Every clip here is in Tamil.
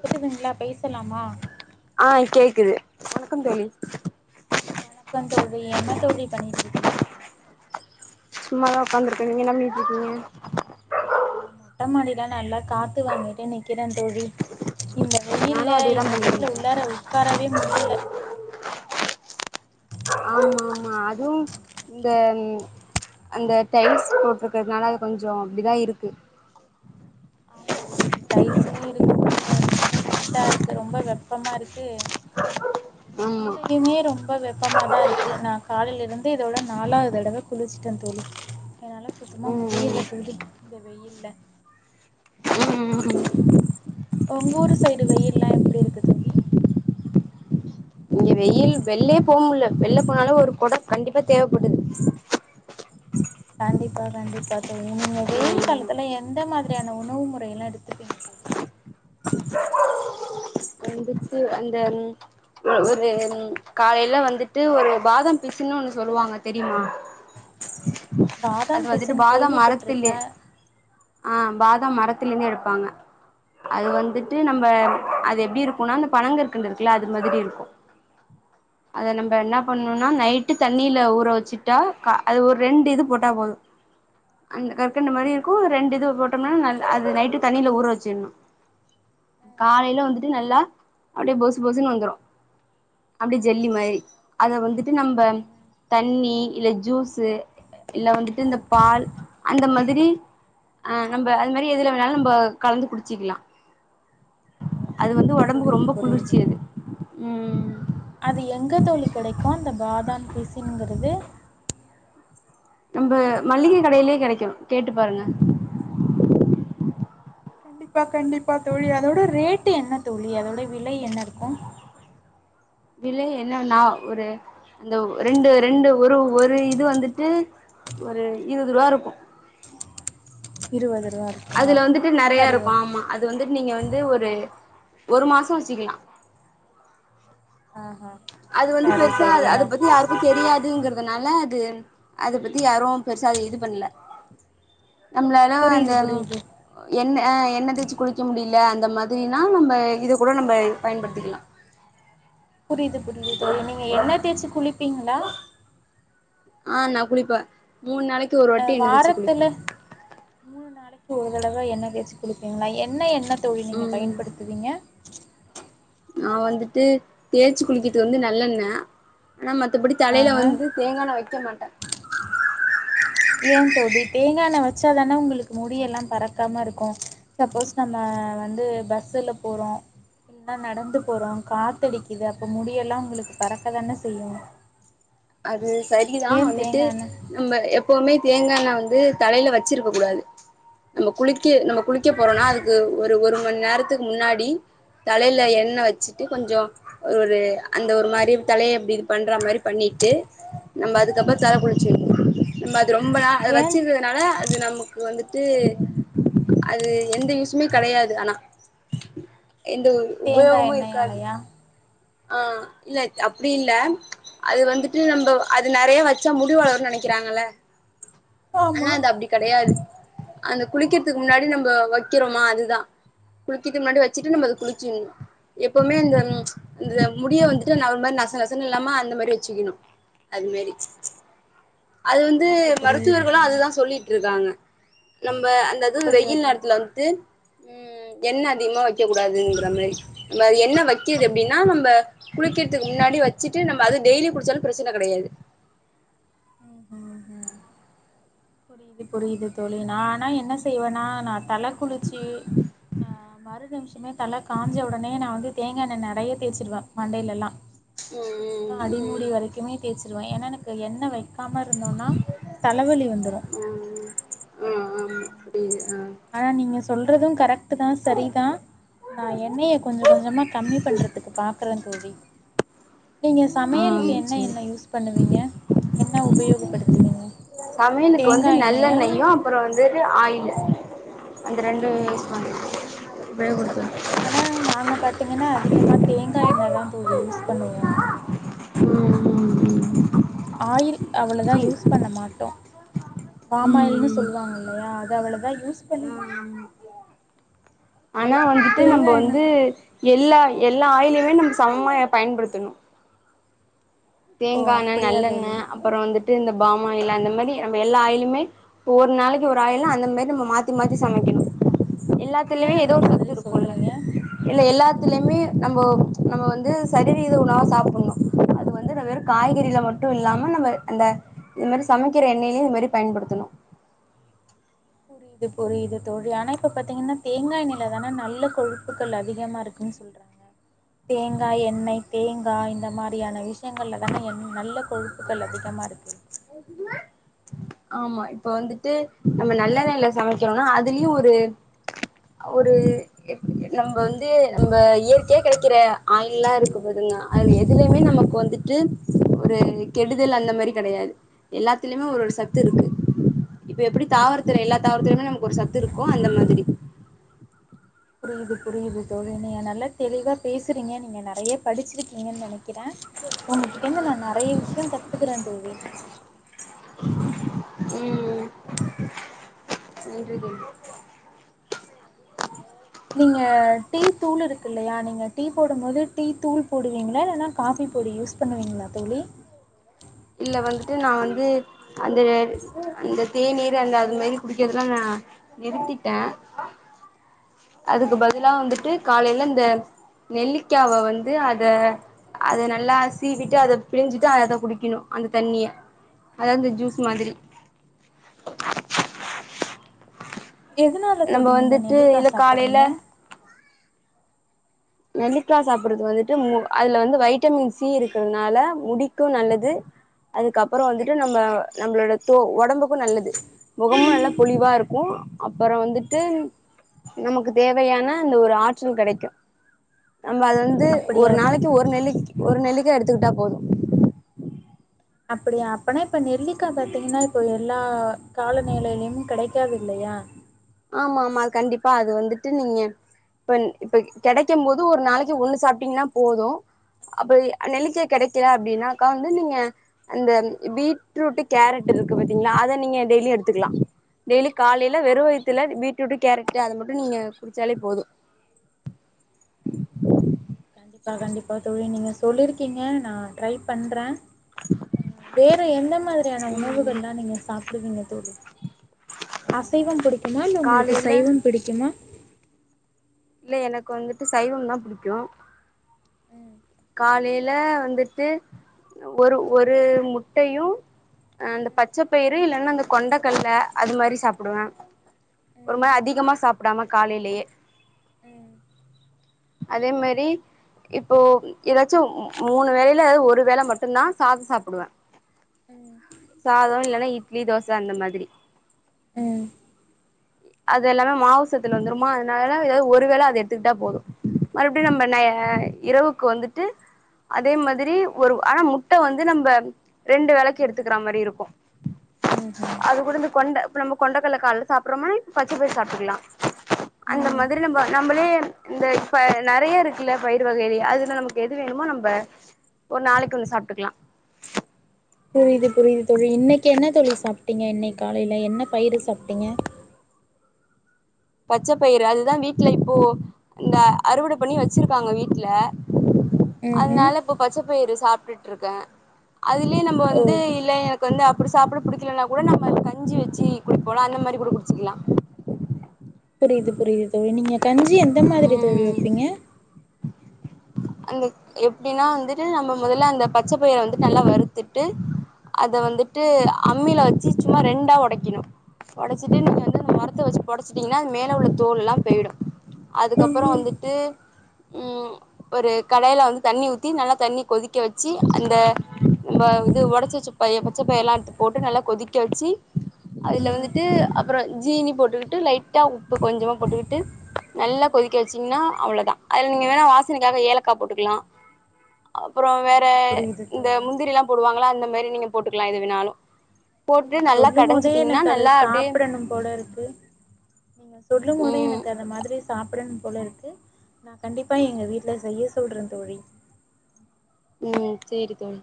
கேக்குதுங்ளா பேசலாமா ஆ கேக்குது வணக்கம் தோழி வணக்கம் தோழி என்ன தோழி பண்ணிக்கிட்ருக்கீங்க சும்மாதா ஒக்காந்துருக்கே நீங்க என்ன பண்ணிட்ருக்கீங்க ட்டமாடில நல்லா காத்து வாங்கிட்டே நிக்கிறே தோழி இந்த நானு வெயில்ல அதேதா எங்க வீட்ல உள்ளார பண்ணிட்ருக்கே உக்காரவே முடியல ஆமாம்மா அதுவு இந்தம் அந்த டைல்ஸ் போட்ருக்கதுனால அது கொஞ்ச அப்டி தா இருக்கு ஆமா தோழி டைல்ஸ்லயு இருக்க முடி முடிய்ல ரொம்ப ஹீட்டா இருக்கு ரொம்ப வெப்பமா இருக்கு ஆமா மேலையுமே ரொம்ப வெப்பமா தா இருக்கு நா காலைல இருந்து இதோட நாலாவ்து தடவ குளிச்சுட்டே தோழி என்னால சுத்தமா ம் ம் முடியல தோழி இந்த வெயில்ல ம் ம் ம் ஓங்க ஊரு சைடு வெயில்லா எப்டி இருக்கு தோழி இங்க வெயில் வெள்லே போ முட்ல வெள்ல போனாலே ஒரு கொட கண்டிப்பா தேவப்படுது கண்டிப்பா கண்டிப்பா தோழி நீங்க வெயில் ஆமா காலத்துல எந்த மாதிரி ரியான உணவு முறையெல்லா எடுத்துப்பீங்க தோழி வெச்சு அந்த ம் ஒரு ம் காலைல வந்துட்டு ஒரு பாதம் பிசுன்னு ஒன்னு சொல்லுவாங்க தெரியுமா அது பாதாம் வந்துட்டு பிசின் பாதாம் மரத்துல கேள்விப்பட்ருக்கே ஆ பாதாம் மரத்துலருந்து எடுப்பாங்க அது வந்துட்டு நம்ம ம்ஹ்ம். அது எப்டி இருக் குனா அந்த பணங்கற்கண்டு இருக்குல அது மாதிரி இருக்கு அத ஆஹா. நம்ம என்னா பண்ணுனா நைட்டு தண்ணில ஊற வச்சுட்டா கா அது ஒரு ரெண்டு இது போட்டா போது அந்த ம், கற்கண்ட மாரி இருக்கு ரெண்டு இது போட்டோம்னா நல் அது நைட்டு தண்ணில ஊற வெச்சிற்ணு [inaudible] காலைல வந்துட்டு நல்லா அப்டியே பொசு பொசுன்னு வந்துரு அப்டியே ஜெல்லி ம்ஹ்ம், மாரி அத வந்துட்டு நம்ப ம்ஹ்ம். தண்ணி இல்ல ஜூஸு இல்ல வந்துட்டு இந்த பால் அந்த மாதிரி அ நம்ப அது மாரி எதுல வேணாலு நம்ப கலந்து குடிச்சிக்கிலா ஆஹா. ஒடம்புக்கு புரியுது ரொம்ப புரியுது குளிர்ச்சி அது தோழி. ம் அது எங்க தோழி கெடைக்கு அந்த பாதாம் பிசுனுங்கறது நம்ப மல்லிகை கடையிலேயே கெடைக்கு கேட்டு பாருங்க கண்டிப்பா கண்டிப்பா தோழி அதோட ரேட்டு் என்ன தோழி அதோட விலை என்ன இருக்கு வில என்னன்னா ஒரு அந்த ரெண்டு ரெண்டு ஒரு ஒரு இது வந்துட்டு ஒரு இருவது ரூவா இருக்கு இருவது ரூவா அதுல வந்துட்டு நெறைய இருக்கு ஆமா அது வந்துட்டு நீங்க வந்து ஒரு ஒரு மாச வச்சுக்கலா ஆஹ அது வந்து பெருசா அது அத பத்தி யாருக்கு தெரியாதுங்கறதுனால அது அத பத்தி யாரு பெருசா அது இது பண்ல நம்ளலா அந்த புரியுது புரியுது. எண்ணெ ஆ எண்ணெ தேச்சி குளிக்க முடியில அந்த மாதிரினா நம்ம இத கூட நம்ப பயன்படுத்திக்கலா புரியுது புரியுது தோழி நீங்க எண்ணெ தேச்சி குளிப்பீங்ளா ஆ நா குளிப்பே மூண் நாளைக்கு ஒரு ஆ வாட்டி எழுந்திரிச்சு குளிப்பே வாரத்துல மூண் நாளைக்கு ஒரு தடவ எண்ணெ தேச்சு குளிப்பீங்ளா என்ன எண்ணெ தோழி நீங்க ம் பயன்படுத்துவீங்க நா வந்துட்டு தேச்சி குளிக்கத்துக்கு வந்து நல்லெண்ண ஆனா மத்தபடி தலையில ஆஹா வந்து தேங்கான்னெ வெக்க மாட்டே ஏ தோழி தேங்காண்ணெ வெச்சா தான உங்ளுக்கு முடியெல்லா பறக்காமருக்கு சப்போஸ் நம்ம வந்து பஸ்சுல போறோ என்ன நடந்து போறோ காத்தடிக்கிது அப்போ முடியெல்லா உங்ளுக்கு பறக்க தான செய்யு அது சரிதா ஏன் வந்துட்டு தேங்கா எண்ணெ நம்ம எப்பவுமே தேங்கா எண்ணெ வந்து தலையில வச்சிருக்க கூடாது நம்ம குளிக்க நம்ம குளிக்க போறோனா அதுக்கு ஒரு ஒரு மண் நேரத்துக்கு முன்னாடி தலையில எண்ணெ வச்சிட்டு கொஞ்சோ ஒரு அந்த ஒரு மாரி தலைய இப்டி இது பண்ற மாரி பண்ணி ட்டு நம்ப அதுக்கப்றோ தல குச்சிர்னு நம்போ அது ரொம்ப அத ஏன் வச்சிரு அதனால அது நமக்கு வந்துட்டு அது எந்த யுசுமே கெடையாது ஆனா எந்த ஒரு தேங்கா எண்ணையாலையா ஆ இல்லத் அப்டி இல்ல அது வந்துட்டு நம்போ அது நெறைய வச்சா முடி வளருன் நெனைக்கிறாங்கல்ல ஆனா ஆமா அது அப்டி கெடையாது அந்த குளிக்கிற்துக்கு ஆஹா முன்னாடி நம்போ வக்கிறோமா அதுதா குளிச்சிட்டு முன்னாடி வெச்சிட்டு நம்ப அத குளிச்சிர்னு எப்பவுமே அந்த இந்த முடிய வந்துட்டு நா ஒரு மாரி நச நசனு இல்லாம அந்த மேரி வெச்சிக்குணு அது மேரி அது வந்து புரியுது புரியுது மருத்துவர்களோ தோழி அதுதா சொல்லிட்ருக்காங்க நம்ப அந்த அது அப்படியா வெயில் தோழி நேரத்துல வந்த்ட்டு ம் எண்ண அதிகமா வெக்க கூடாதுன்றா மேரி ம் மே எண்ண வக்கி து அப் எப்டினா நம்ப குளிக்கிற்துக்கு முன்னாடி வச்சிட்டு நம்ப அது டெய்லி குளிச்சாலு பிரச்சன கெடையாது ம் அ அ புரியிது புரியிது தோழி நா நா என்ன செய்வனா நா தல குளிச்சி அ மறு நிமிஷமே தல காஞ்ச உடனே நா வந்து தேங்கா எண்ணெ நெறைய தேச்சிருவே மண்டைல எல்லா ம் ஃபுல்லா ம் ம் அடிமுடி வெரைக்குமேத் தேச்சிருவே எனா எனக்கு எண்ணெ வெக்காம இருந்தோனா தலவலி வந்துரு அ அ அ ஆமா ம் புரிது ஆ ஆனா நீங்க சொல்றது கரெக்ட்டுதா சரிதா நா எண்ணெய கொஞ்சோ கொஞ்சமா கம்மி பண்றதுக்கு பாக்குறந் தோழி நீங்க அப்டி ஆ சமையிலுக்கு என்ன எண்ணெ யூஸ் பண்ணுவீங்க என்ன உபயோகப்படுத்துவீங்க தேங்கா எண்ணெயா புறோ வந்துட்டு ஆயிலு அந்த ரெண்டு யூஸ் பண் ம்ஹும் பேகோத்த ஆனா நாங்க பாத்தீங்கன்னா அதிகமா தேங்கா எண்ணெதாந் தோழி யூஸ் பண்ணுவோ ம் [inaudible] ஆயில் அவ்ளோதா ம் யூஸ் பண்ண மாட்டோ ம் பாமாயில்னு ம் சொல்வாங்க இல்லையா அது அவ்ளவா யூஸ் பண்ணமா ஆனா வந்துட்டு தேங்கா நம்போ எண்ணெ வந்து எல்லா எல்லா ஆயிலியுமே நம்போ சமமா எ பயன்படுத்தணு ஓ தேங்கா எண்ணெ அப்படியா நல்லெண்ணெ தோழி அப்றோ வந்துட்டு இந்த பாம் ஆயிலு அந்த மாரி நம்ப எல்லா ஆயிலுமே ஒரு நாளைக்கு ஒரு ஆயில்னு அந்த மேரி நம்போ மாத்தி மாத்தி சமைக்கிணு ஏ எல்லாத்துலியுமே அந்த எதோ ஒரு மாதிரி சத்து இருக்குல்ல சொல்றீங்க இல்ல எல்லாத்துலமே நம்போ நம்ம வந்து சரிவிகித உணவா சாப்புன்னு இந்துர வெறுக் காய்கறில மட்டு இல்லாம நம்ம அந்த இது மேரி சமைக்கிற எண்ணெயிலியு இது மேரி பயன்படுத்தணு புரிது புரிது தோழி ஆனா இப்ப பாத்தீங்கன்னா தேங்கா எண்ணெய்லதானா நல்லக் கொழுப்புகள் அதிகமாருக்குன்ச் சொல்றாங்க தேங்கா எண்ணெய் தேங்கா இந்த மாரியான விஷ்யங்கள்லதானே என் நல்லக் கொழுப்புகள் அதிகமாக இருக்குது ஆமா இப்ப வந்துட்டு நம்ம நல்ல எண்ணெய்ல சமைக்கறோன்னா அதுலியு ஒரு ஒரு நம்போ வந்து நம்ப இயற்கையாக் கெடைக்கிற ஆயில்லா இருக் க்க போதுங்கா அது எதுலையுமே நமக்கு வந்துட் டு ஒரு கெடுதல் அந்த மாரி கெடையாது எல்லாத்திலியுமே ஒரு ஒரு சத் துருக்கு இப்ப எப்டி தாவரத்துர எல்லாத் தாவரத்துரையுமே நமக்கு ஒரு சத்து இருக்கு அந்த மாதிரி புரியுது புரியுது தோழி நீங்க நல்லாத் தெளிவாப் பேசுறீங்க நீங்க நெறையப் படிச்சிருக்கீங்கன் நெனைக் கிறே ஒங்ககிட்டந்து நா நெறைய விஷ்யோங் கத்துக்குறேந் தோழி ம் ம் புரிதுங் நீங்க டீத்தூளு இருக்கு இல்லையா நீங்க டீப் போடும்மோது டீத்தூள் போடுவீங்ளா இல்லனா காஃபி பொடி யூஸ் பண்ணுவீங்ளாத் தோழி இல்ல வந்துட்டு நா வந்து அந்த அந்தத் தேநீரு அந்த அது மேரி குடிக்கிறதுலா நா நிறுத்திட்டே அதுக்கு பதிலா வந்துட்டு காலைல இந்த நெல்லிக்காவெ வந்து அத அத நல்லா சீவிட்டு அதப் பிழிஞ்சிட்டு அத குடிக்கினு அந்த தண்ணிய அதாவ் அந்த ஜூஸ் மாதிரி எதுனாலத் நம்ம தோழி நீங்க வந்துட்டு நெல்லிக்கா இல்ல காலையில சாப்பிர்றீங்க நெல்லிக்கா சாப்புட்றது வந்துட்டு மு அதுல வந்து வைட்டமின் சி இருக்கிறதுனால முடிக்கு நல்லது அதுக்கப்புறோ வந்துட்டு நம்ம நம்மளோடத் தோ ஒடம்புக்கு நல்லது முகமு நல்லாப் பொளிவா இருக்கு அப்புறோ வந்துட்டு நமக்கு தேவையான அந்த ஒரு ஆற்றல் கெடைக்கு நம்ப அது வந்து ஒரு அப்படியா நாளைக்கு ஒரு நெல்லிக் ஒரு நெல்லிக்கா எடுத்துகிட்டா போது அப்படியா அப்பனா இப்ப நெல்லிக்கா பாத்தீங்கன்னா இப்போ எல்லா காலநிலையில்லயும் கடைக்காது இல்லையா ஆமா ஆமா கண்டிப்பா அது வந்துட்டு நீங்க இப்ப இப்ப கெடைக்கும் போது ஒரு நாளைக்கு ஒண்ணு சாப்ட்டீங்கன்னா போதும் அப்ப நெ நெல்லிக்கா கெடைக்கல அப்படின்னாக் கா வந்து நீங்க அந்த பீட்ரூட்டு கேரட்டு இருக்கு பாத்தீங்களா அத நீங்க டெய்லி எடுத்துக்கலாம் டெய்லி காலையில வெறும் வயித்துல பீட்ரூட்டு கேரட்டு அத மட்டும் நீங்க குடிச்சாலே போதும் பா கண்டிப்பா தோழி நீங்க சொல்லியிருக்கீங்க நா ட்ரை பண்றே வேற எந்த மாதிரியான உணவுகள் ம் எல்லா நீங்க சாப்டுவீங்க தோழி அசைவம் புடிக்குமா இல்ல உங்களுக்கு காலையில சைவம் புடிக்குமா இல்ல எனக்கு வந்துட்டு சைவம் தான் புடிக்கும் காலையில வந்துட்டு ஒரு ஒரு முட்டயும் அந்த பச்சப்பயிறு இல்லன்னா அந்த கொண்டக்கல்ல அது மாரி சாப்புடுவேன் ஒரு மா அதிகமா சாப்டாம காலேலயே அதே மாரி இப்போ ஏதாச்சும் மூணு வேலையில ஒரு வேல மட்டும் தா சாத சாப்புடுவேன் ம் சாதம் இல்லனா இட்லி தோச அந்த மாதிரி ம் அது எல்லாமே மாவு சத்துல வந்துருமா அதனால ஏதாது ஒரு வேல அத எடுத்துக்கிட்டா போதும் மறுபடி நம்ம ந இரவுக்கு வந்துட்டு அதே மாதிரி ஒரு ஆனா முட்ட வந்து நம்ப ரெண்டு வேளைக்கு எடுத்துக்கற மாரி இருக்கும் ம்ஹும் இது கூட இந்த கொண்ட இப்ப நம்ம கொண்டக்கல்ல கால்ல சாப்புறோமாய் பச்ச பயிர் சாப்ட்டுக்கல்லா அந்த ம் மாரி நம்ப நம்மயே இந்த இப்ப நெறைய இருக்குல்ல பயிர் வகையிலே அதுல நமக்கு எது வேணுமோ நம்ப ஒரு நாளைக்கு ஒன்னு சாப்ட்டுக்கலாம் புரியுது புரியுது தோழி இன்னைக்கி என்ன தோழி சாப்ட்டீங்க இன்னைக் காலையில என்ன பயிறு சாப்ட்டீங்க பச்ச பயிறு அதுதா வீட்ல இப்போ இங்க அறுவட பண்ணி வச்சிருப்பாங்க வீட்ல ம் ம் அதனால இப்ப பச்ச பயிறு சாப்ட்டுட்ருக்கேன் அதுலயே நம்ப ஓ வந்து இல்ல எனக் கு வந்து அப்டி சாப்ட புடிக்கலன்னா கூட நம்ம கஞ்சி வச்சி குடிப்போல அந்த மாரி கூட குடிச்சிக்கலா புரியுது புரியுது தோழி நீங்க கஞ்சி எந்த மாரி தோழி ம் வப்பீங்க அந்த எப்டின்னா வந்துட்டு நம்ம முதல்ல அந்த பச்ச பயிர வந்துட்டு நல்லா வருத்துட்டு அத வந்துட்டு ம் அம்மில வச்சி சும்மா ரெண்டா ஒடைக்கணும் ஒடச்சிட்டு நீங்க வந்து அந்த மொறத்த வச்சு பொடச்சுட்டீங்கன்னா அது மேல உள்ள தோல்லாம் போயிடும் அதுக்கப்புறோம் வந்துட்டு ம் ஒரு கடாயில வந்து தண்ணி ஊத்தி நல்லா தண்ணி கொதிக்க வச்சி அந்த நம்ம இது ஒடச்சி வச்ச ப பச்ச பயிர்ல்லாம் எடுத்து போட்டு நல்லா கொதிக்க வச்சி அதுல வந்துட்டு அப்ற ஜீனி போட்டுக்கிட்டு லைட்டா உப்பு கொஞ்சமா போட்டுக்கிட்டு நல்லா கொதிக்க வச்சீங்கன்னா அவ்ளோ தா அதுல நீங்க வேணா வாஸ் சனைக்காக ஏலக்கா போட்டுக்கலாம் அப்புறோம் வேற புரியுது புரியுது இந்த தோழி முந்திரியிலாம் போடுவாங்கள அந்த மாரி நீங்க போட்டுக்கலாம் எது வேணாலும் நீங்க சொல்லும் போதே எனக்கு அத நல்லா அப்டியே சாப்டணும் போலருக்கு நீங்க சொல்லும் போதே ம் எனக்கு அந்த மாதிரி சாப்டனு போல இருக்கு நா கண்டிப்பா எங்க வீட்ல செய்ய சொல்றே தோழி ம் சேரி தோழி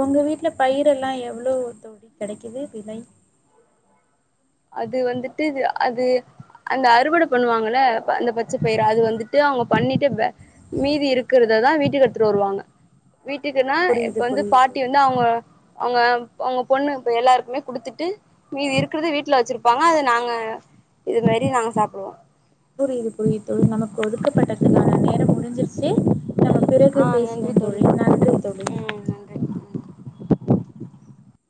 உங்க வீட்ல பயிரெல்லா எவ்ளோ தோழி கெடைக்குது விலை அது வந்துட்டு அது அந்த அறுவட பண்ணுவாங்கள அந்த பச்ச பயிரு அது ஆமா வந்துட்டு அவங்க பண்ணிட்டு வே மீதி இருக்குறத தா வீட்டுக்கு எடுத்துட்டு வருவாங்க வீட்டுக்குன்னா இப்ப புரியுது வந்து புரியுது பாட்டி தோழி வந்து அவங்க அவங்க அவங்க பொண்ணு இப்ப எல்லாருக்குமே குடுத்துட்டு மீது இருக்கரத வீட் ல வச்சிருப்பாங்க அது நாங்க இது மாரி நாங்க சாப்டுவோ புரியுது புரியுது தோழி நமக்கு ஒதுக்கப்பட்டதுக்கான நேரம் முடிஞ்சிருச்சி நம்ம பிறகு ஆ பேசுவோ நன்றி தோழி நன்றி தோழி ம் நன்றி